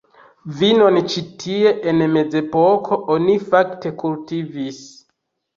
Vinon ĉi tie en mezepoko oni fakte kultivis.